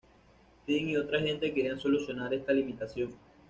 Tim y otra gente querían solucionar esta limitación.